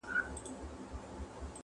چي له دنیا نه ارمانجن راغلی یمه!.